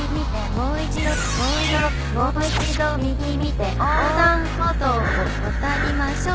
「もう一度右見て横断歩道を渡りましょう」